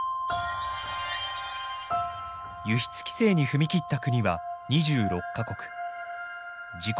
輸出規制に踏み切った国は２６か国。